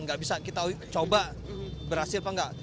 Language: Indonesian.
nggak bisa kita coba berhasil apa enggak